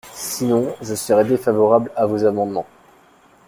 Sinon, je serai défavorable à vos amendements.